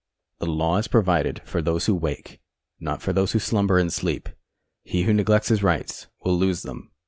The law is pi'ovided for those who wake, not for those who slumber and sleep. He who neglects his rights will lose them.